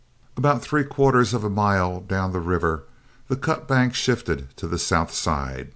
About three quarters of a mile down the river the cut bank shifted to the south side.